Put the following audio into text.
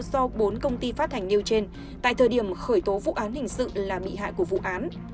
do bốn công ty phát hành nêu trên tại thời điểm khởi tố vụ án hình sự là bị hại của vụ án